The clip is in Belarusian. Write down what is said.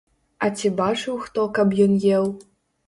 А ці бачыў хто, каб ён еў?